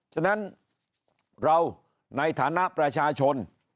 ฉะนั้นเราในฐานะประชาชน